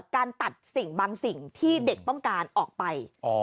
การตัดสิ่งบางสิ่งที่เด็กต้องการออกไป